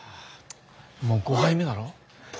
もう５杯目だろ？